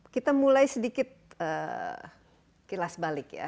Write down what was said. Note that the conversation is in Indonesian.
kita mulai sedikit kilas balik ya